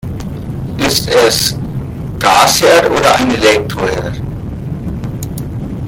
Ist es Gasherd oder ein Elektroherd?